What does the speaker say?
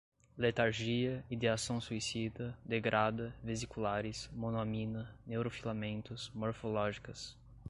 letargia, ideação suicida, degrada, vesiculares, monoamina, neurofilamentos, morfológicas